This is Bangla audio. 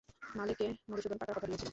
মালেককে মধুসূদন পাকা কথা দিয়েছিল।